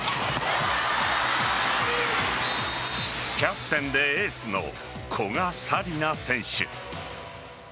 キャプテンでエースの古賀紗理那選手。